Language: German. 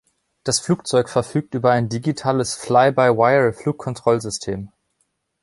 Das Flugzeug verfügt über ein digitales Fly-by-Wire-Flugkontrollsystem.